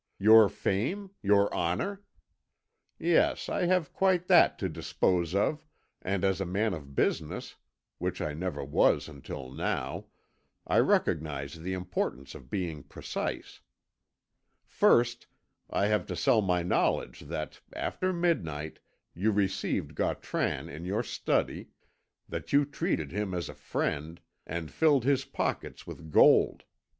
Your fame your honour? Yes, I have quite that to dispose of, and as a man of business, which I never was until now, I recognise the importance of being precise. First I have to sell my knowledge that, after midnight, you received Gautran in your study, that you treated him as a friend, and filled his pockets with gold.